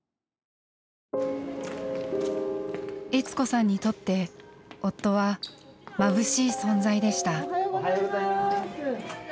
悦子さんにとって夫はまぶしい存在でした。